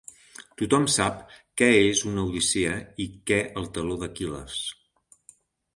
Tothom sap què és una odissea i què el taló d'Aquil·les.